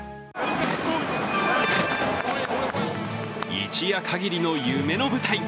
一夜限りの夢の舞台